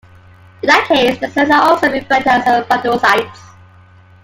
In that case the cells are also referred to as "vanadocytes".